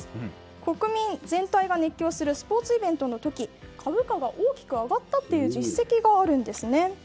国民全体が熱狂するスポーツイベントの時株価が大きく上がったという実績があるんです。